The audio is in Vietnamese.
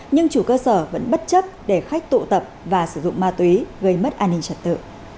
nhưng chủ cơ sở vẫn bất chấp để khách tụ tập và sử dụng ma túy gây mất an ninh trật tự